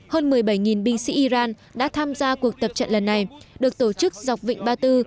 hơn một mươi bảy binh sĩ iran đã tham gia cuộc tập trận lần này được tổ chức dọc vịnh ba tư